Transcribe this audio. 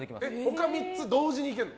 他３つ同時にいけるの？